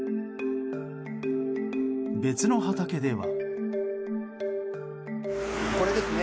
別の畑では。